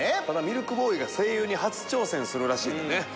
ただミルクボーイが声優に初挑戦するらしいんでね。